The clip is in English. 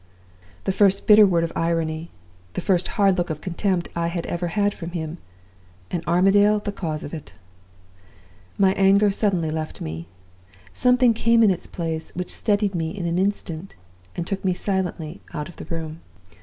"The first bitter word of irony, the first hard look of contempt, I had ever had from him! And Armadale the cause of it! "My anger suddenly left me. Something came in its place which steadied me in an instant, and took me silently out of the room.